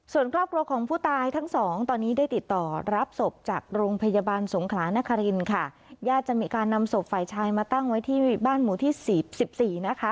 ส่วนครอบครัวของผู้ตายทั้งสองตอนนี้ได้ติดต่อรับศพจากโรงพยาบาลสงขลานครินค่ะญาติจะมีการนำศพฝ่ายชายมาตั้งไว้ที่บ้านหมู่ที่สิบสิบสี่นะคะ